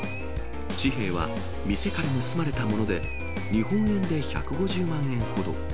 紙幣は店から盗まれたもので、日本円で１５０万円ほど。